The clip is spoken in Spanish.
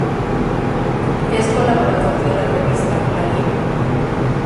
Es colaborador de la revista Clarín.